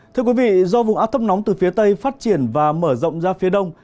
thưa quý vị do vùng áp thấp nóng từ phía tây phát triển và mở rộng ra phía đông